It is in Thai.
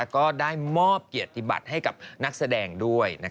ก็ได้มอบเกียรติบัติให้กับนักแสดงด้วย